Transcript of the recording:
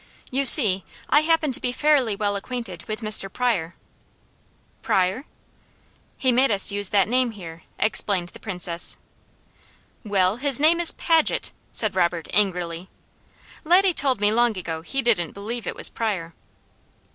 "You see, I happen to be fairly well acquainted with Mr. Pryor." "Pryor?" "He made us use that name here," explained the Princess. "WELL, HIS NAME IS PAGET!" said Robert angrily. Laddie told me long ago he didn't believe it was Pryor.